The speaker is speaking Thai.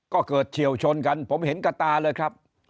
ก็เกิดเฉียวชนกันผมเห็นกระตาเลยครับ